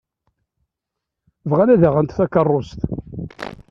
Bɣan ad d-aɣent takeṛṛust.